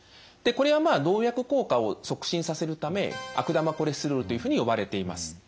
これは動脈硬化を促進させるため悪玉コレステロールというふうに呼ばれています。